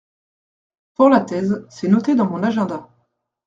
Pour la thèse, c’est noté dans mon agenda.